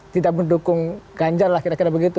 tidak mendukung ganjar lah kira kira begitu